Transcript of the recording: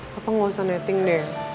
papa gak usah ngeting deh